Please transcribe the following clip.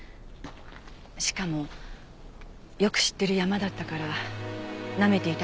しかもよく知ってる山だったからなめていたのかもしれません。